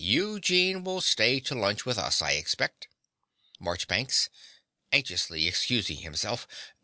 Eugene will stay to lunch with us, I expect. MARCHBANKS (anxiously excusing himself).